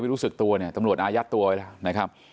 รู้สึกตัวเนี่ยตำรวจอายัดตัวไว้แล้วนะครับ